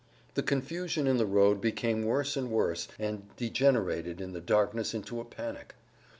The confusion in the road became worse and worse and degenerated in the darkness into a panic.